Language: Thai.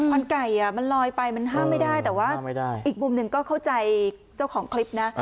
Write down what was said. มันไก่มันลอยไปมันห้ามไม่ได้แต่ว่าอีกมุมหนึ่งก็เข้าใจเจ้าของคลิปนะ